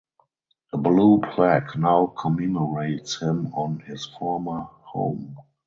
A Blue Plaque now commemorates him on his former home.